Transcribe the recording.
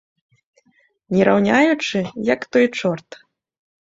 Не раўняючы, як той чорт.